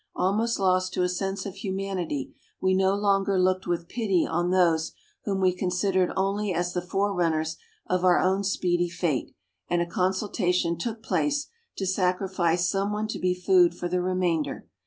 Almost lost to a sense of humanity, we no longer looked with pity on those whom we considered only as the forerunners of our own speedy fate, and a consultation took place, to sacrifice some one to be food for the remainder.